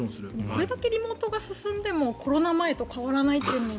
これだけリモートが進んでもコロナ前と変わらないというのは